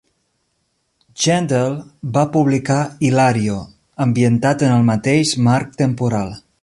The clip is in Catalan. Gentle va publicar "Ilario", ambientat en el mateix marc temporal.